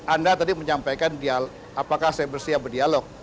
anda tadi menyampaikan apakah saya bersiap berdialog